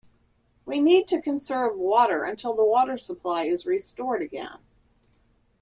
We need to conserve water until the water supply is restored again.